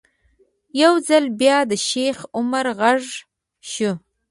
یو ځل بیا د شیخ عمر غږ شو.